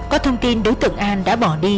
có thông tin đối tượng anh đã bỏ đi